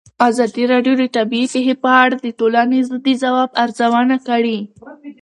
ازادي راډیو د طبیعي پېښې په اړه د ټولنې د ځواب ارزونه کړې.